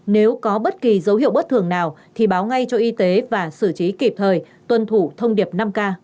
nếu có bất kỳ dấu hiệu bất thường nào thì báo ngay cho y tế và xử trí kịp thời tuân thủ thông điệp năm k